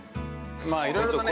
ま、いろいろとね。